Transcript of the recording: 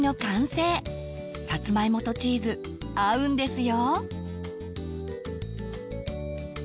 さつまいもとチーズ合うんですよ。